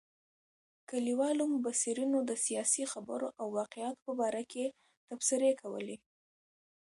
کلیوالو مبصرینو د سیاسي خبرو او واقعاتو په باره کې تبصرې کولې.